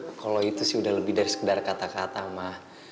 ma kalo itu sih udah lebih dari sekedar kata kata ma